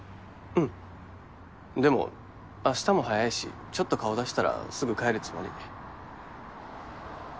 うんでも明日も早いしちょっと顔出したらすぐ帰るつもり